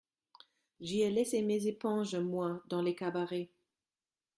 J’y ai laissé mes éponges, moi, dans les cabarets